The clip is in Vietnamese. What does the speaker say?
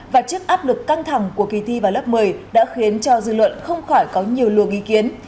và trước áp lực căng thẳng của kỳ thi vào lớp một mươi đã khiến cho dư luận không khỏi có nhiều luồng ý kiến